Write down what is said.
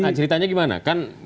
nah ceritanya gimana kan